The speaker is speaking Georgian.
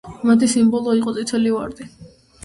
მათი სიმბოლო იყო წითელი ვარდი.